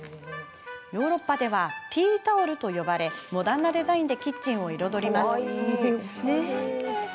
ヨーロッパではティータオルと呼ばれモダンなデザインでキッチンを彩ります。